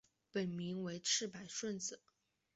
本名为赤坂顺子。